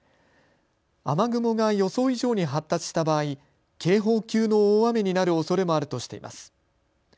雨雲が予想以上に発達した場合、警報級の大雨になるおそれもあるとしています。